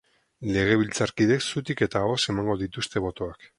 Legebiltzarkideek zutik eta ahoz emango dituzte botoak.